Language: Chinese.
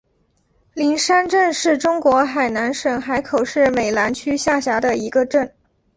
灵山镇是中国海南省海口市美兰区下辖的一个镇。